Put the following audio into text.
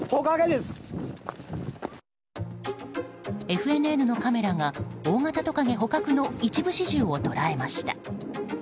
ＦＮＮのカメラが大型トカゲ捕獲の一部始終を捉えました。